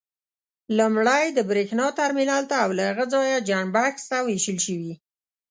لومړی د برېښنا ترمینل ته او له هغه ځایه جاینټ بکس ته وېشل شوي.